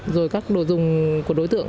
rồi các đồ dùng của đối tượng